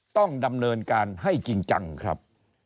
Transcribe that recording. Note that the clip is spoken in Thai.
ต้องดำเนินการให้จริงจังครับ